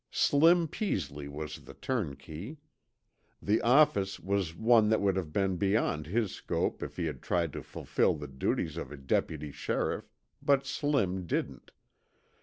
Slim Peasley was the turnkey. The office was one that would have been beyond his scope if he had tried to fulfill the duties of a deputy sheriff, but Slim didn't.